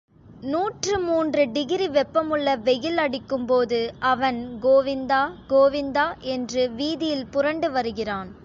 நூற்றுமூன்று degree வெப்பமுள்ள வெயில் அடிக்கும்போது அவன் கோவிந்தா, கோவிந்தா என்று வீதியில் புரண்டு வருகிறான்.